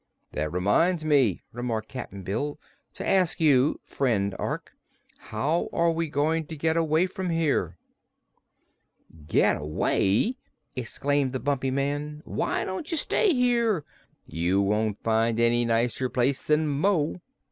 "That reminds me," remarked Cap'n Bill, "to ask you, friend Ork, how we are going to get away from here?" "Get away!" exclaimed the Bumpy Man. "Why don't you stay here? You won't find any nicer place than Mo."